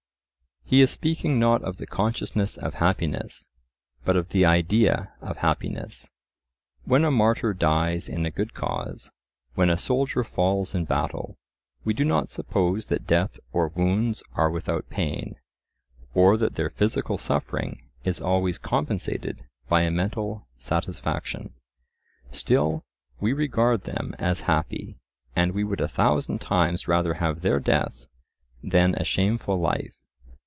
He is speaking not of the consciousness of happiness, but of the idea of happiness. When a martyr dies in a good cause, when a soldier falls in battle, we do not suppose that death or wounds are without pain, or that their physical suffering is always compensated by a mental satisfaction. Still we regard them as happy, and we would a thousand times rather have their death than a shameful life.